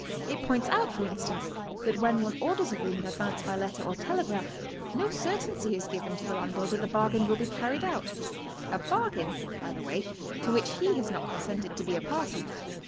* It points out, for instance, that when 'one orders a roiom in advance by letter or telegraph, no certainty is given to the landlord that the bargain will be carried out, — a bargain, by the way, to which he has not consented to be a party.